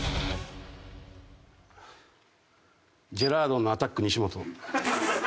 ジェラードンのアタック西本。